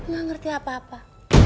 gak ngerti apa apa